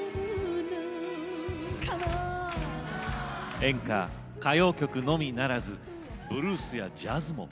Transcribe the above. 演歌、歌謡曲のみならずブルースやジャズも。